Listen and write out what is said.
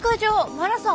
マラソン！